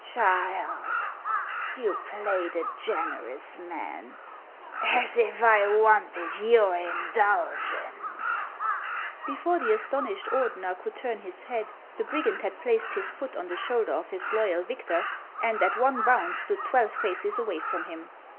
327 " Child, you play the generous mau, as if I wanted your indulgence !" Before the astonished Ordener could turn his head, the brigand had placed his foot on the shoulder of his loyal victor, and at one bound stood twelve paces away from him.